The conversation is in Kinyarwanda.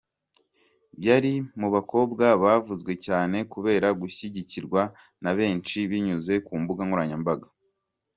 Yari mu bakobwa bavuzwe cyane kubera gushyigikirwa na benshi binyuze ku mbuga nkoranyambaga.